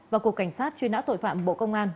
và cục cảnh sát truy nã tội phạm bộ công an